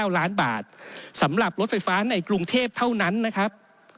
๙ล้านบาทสำหรับรถไฟฟ้าในกรุงเทพเท่านั้นนะครับ